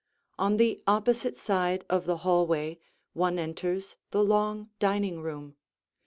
On the opposite side of the hallway one enters the long dining room.